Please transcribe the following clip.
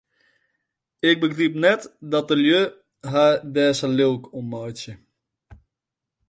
Ik begryp net dat de lju har dêr sa lilk om meitsje.